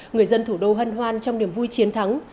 người dân thủ đô hân hoan trong niềm vui chiến thắng